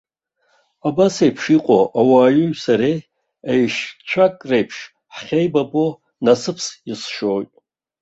Абасеиԥш иҟоу ауаҩи сареи еишьцәак реиԥш ҳахьеибабо насыԥс исшьоит.